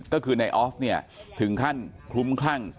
ก็คือนายออฟเนี่ยถึงขั้นคลุ้มคลั่ง